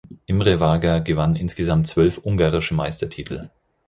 Imre Varga gewann insgesamt zwölf ungarische Meistertitel.